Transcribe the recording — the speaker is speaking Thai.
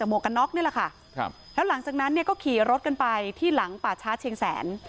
หลังจากนั้นก็ขี่รถไปที่หลังปาชาเชียงแสน